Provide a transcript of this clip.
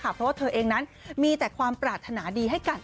เพราะว่าเธอเองนั้นมีแต่ความปรารถนาดีให้กัน